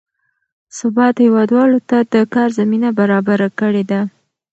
ثبات هېوادوالو ته د کار زمینه برابره کړې ده.